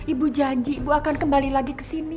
ibu janji ibu akan kembali lagi kesini